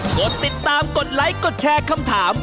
กดติดตามกดไลค์กดแชร์คำถาม